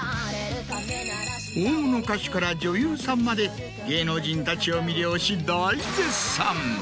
大物歌手から女優さんまで芸能人たちを魅了し。